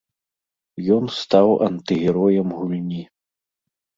Ён стаў антыгероем гульні.